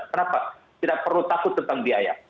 kenapa tidak perlu takut tentang biaya